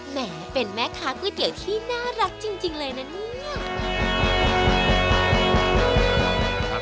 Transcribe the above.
แหมเป็นแม่ค้าก๋วยเตี๋ยวที่น่ารักจริงเลยนะเนี่ย